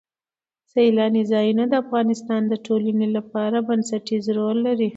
سیلانی ځایونه د افغانستان د ټولنې لپاره بنسټيز رول لري.